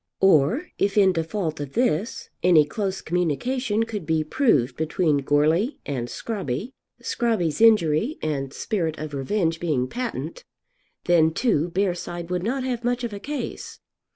Or, if in default of this, any close communication could be proved between Goarly and Scrobby, Scrobby's injury and spirit of revenge being patent, then too Bearside would not have much of a case.